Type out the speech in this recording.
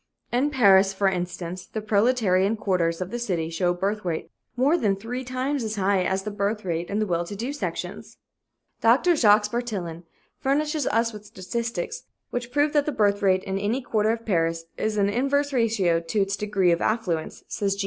In Paris, for instance, the proletarian quarters of the city show a birth rate more than three times as high as the birth rate in the well to do sections. "Dr. Jacques Bartillon furnishes us with statistics which prove that the birth rate in any quarter of Paris is in inverse ratio to its degree of affluence," says G.